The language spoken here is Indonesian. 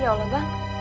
ya allah bang